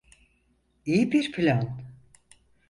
İyi bir plan.